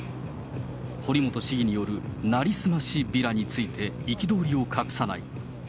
堀本市議による成り済ましビラについて、憤りを隠さない。